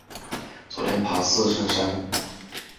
昨天爬四圣山